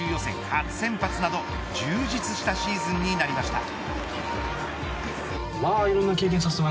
初先発など充実したシーズンになりました。